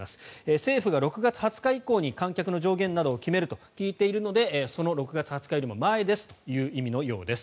政府が６月２０日以降に観客の上限を決めると聞いているのでその６月２０日よりも前ですという意味のようです。